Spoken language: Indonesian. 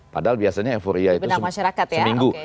padahal biasanya euforia itu masyarakat seminggu